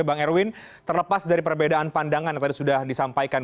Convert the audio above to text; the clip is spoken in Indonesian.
bang erwin terlepas dari perbedaan pandangan yang tadi sudah disampaikan